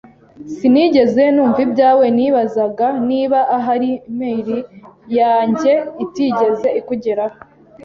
Sinigeze numva ibyawe. Nibazaga niba ahari mail yanjye itigeze ikugeraho.